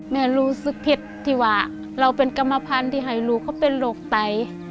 รู้สึกผิดที่ว่าเราเป็นกรรมพันธุ์ที่ให้ลูกเขาเป็นโรคไต